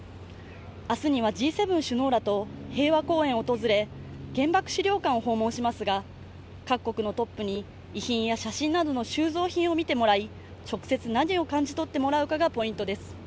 明日にはＧ７首脳らと平和公園を訪れ、原爆資料館を訪問しますが、各国のトップに遺品や写真などの収蔵品を見てもらい、直接何を感じ取ってもらうかがポイントです。